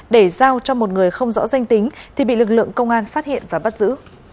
để giao cho một người không rõ danh tính thì bị lực lượng công an phát hiện và bắt giữ